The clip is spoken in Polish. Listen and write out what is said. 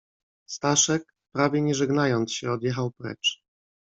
"Staszek, prawie nie żegnając się, odjechał precz."